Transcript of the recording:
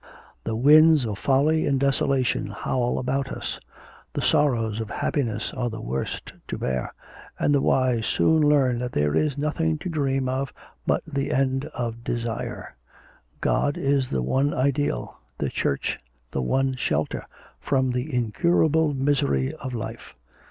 The winds of folly and desolation howl about us; the sorrows of happiness are the worst to bear, and the wise soon learn that there is nothing to dream of but the end of desire. God is the one ideal, the Church the one shelter, from the incurable misery of life.